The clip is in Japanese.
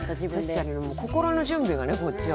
確かに心の準備がねこっちは。